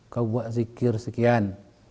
kau buat zikir sekian